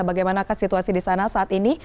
bagaimana situasi di sana saat ini